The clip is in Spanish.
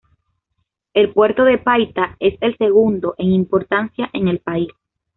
El puerto de Paita es el segundo en importancia en el país.